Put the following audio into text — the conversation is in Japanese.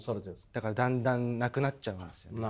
だからだんだんなくなっちゃうんですよね。